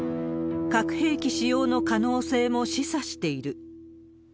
核兵器使用の可能性も示唆している。